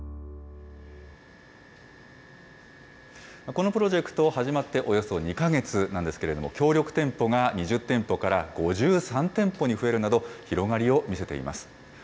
このプロジェクト、始まっておよそ２か月なんですけれども、協力店舗が２０店舗から５３店舗に増えるなど、広がりを見せています。